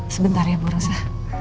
sebentar ya bu rosa